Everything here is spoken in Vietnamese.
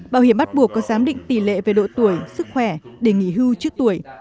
bảo hiểm bắt buộc có giám định tỷ lệ về độ tuổi sức khỏe để nghỉ hưu trước tuổi